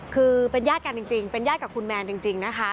คือเป็นญาติกันจริงเป็นญาติกับคุณแมนจริงนะคะ